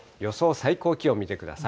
最高気温見てください。